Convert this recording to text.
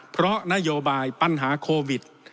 เพราะนโยบายปัญหาโควิด